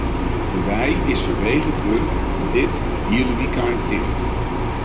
De wei is fanwegen it wurk dit hiele wykein ticht.